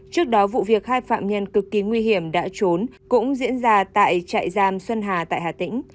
trước đó vụ việc hai phạm nhân cực kỳ nguy hiểm đã trốn cũng diễn ra tại trại giam xuân hà tại hà tĩnh